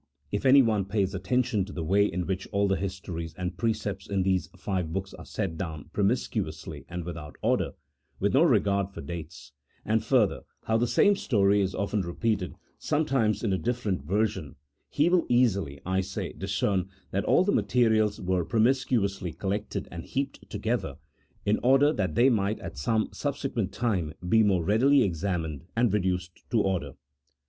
If anyone pays attention to the way in which all the histories and precepts in these five books are set down promiscuously and without order, with no regard for dates ; and further, how the same story is often re peated, sometimes in a different version, he will easily, I say, discern that all the materials were promiscuously col lected and heaped together, in order that they might at some subsequent time be more readily examined and reduced to order.